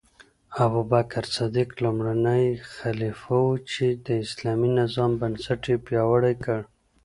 ابوبکر صدیق لومړی خلیفه و چې د اسلامي نظام بنسټ یې پیاوړی کړ.